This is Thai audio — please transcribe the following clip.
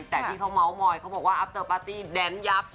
แต่ที่เขาเมาส์มอยเขาบอกว่าอัพเตอร์ปาร์ตี้แดนยับ